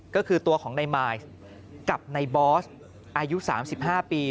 ก็คือตัวของนายมายกับในบอสอายุ๓๕ปี